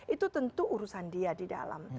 itu tentu urusan dia di dalam